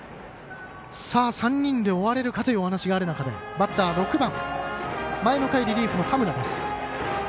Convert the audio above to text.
３人で終われるかというお話がある中でバッター６番、前の回リリーフの田村です。